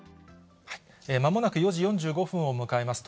まもなく４時４５分を迎えます。